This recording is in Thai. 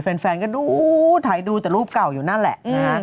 แฟนก็ดูถ่ายดูแต่รูปเก่าอยู่นั่นแหละนะฮะ